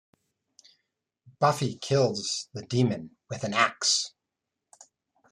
Buffy kills the demon with an axe.